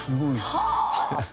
はあ。